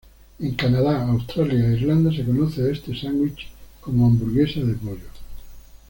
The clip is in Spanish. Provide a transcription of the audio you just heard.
En Canadá, Australia e Irlanda se conoce a este sándwich, como hamburguesa de pollo.